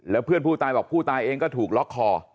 แล้วเพื่อนผู้ตายบอกผู้ตายเองก็ถูกล็อกคอ